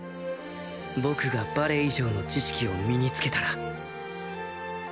僕がバレ以上の知識を身につけたら？